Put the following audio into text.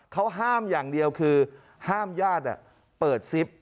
เขาห้ามอย่างเดียวคือห้ามญาติเปิดซิป